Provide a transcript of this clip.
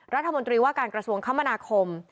รัฐมนตรีว่าการกระทรวงคมนาคม